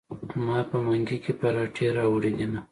ما په منګي کې پراټې راوړي دینه.